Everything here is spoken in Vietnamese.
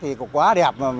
thì cũng quá đẹp